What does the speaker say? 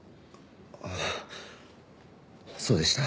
ああそうでした。